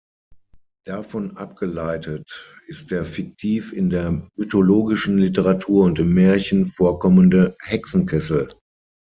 Davon abgeleitet ist der fiktiv in der mythologischen Literatur und im Märchen vorkommende Hexenkessel.